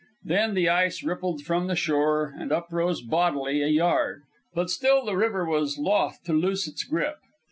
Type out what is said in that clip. Then the ice ripped from the shore and uprose bodily a yard. But still the river was loth to loose its grip.